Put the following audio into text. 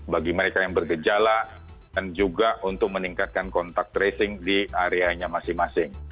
bagi mereka yang bergejala dan juga untuk meningkatkan kontak tracing di areanya masing masing